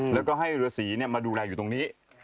อ๋อแล้วก็ให้ดัวศรีมาดูแลอยู่ตรงนี้